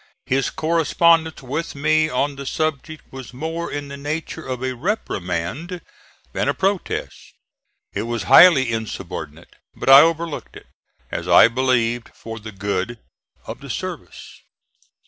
His correspondence with me on the subject was more in the nature of a reprimand than a protest. It was highly insubordinate, but I overlooked it, as I believed, for the good of the service.